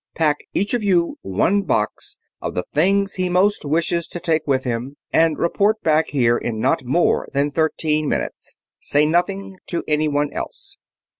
Pack each of you one box of the things he most wishes to take with him, and report back here in not more than thirteen minutes. Say nothing to anyone else."